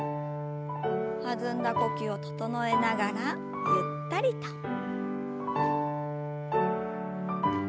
弾んだ呼吸を整えながらゆったりと。